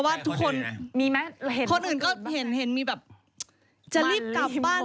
ว่าจะลิปกลับบ้าน